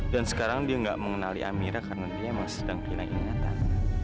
dan sekarang dia nggak mengenali amira karena dia masih sedang kehilangan ingatan